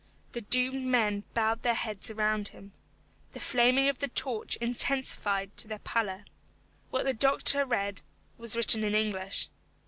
The doomed men bowed their heads around him. The flaming of the torch intensified their pallor. What the doctor read was written in English.